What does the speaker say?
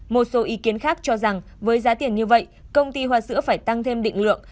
một số ý kiến khác cho rằng với giá tiền như vậy công ty hoa sữa phải tăng thêm định lượng